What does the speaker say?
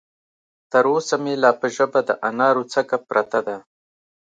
تر اوسه مې لا په ژبه د انارو څکه پرته ده.